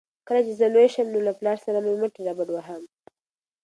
کله چې زه لوی شم نو له پلار سره به مټې رابډوهم.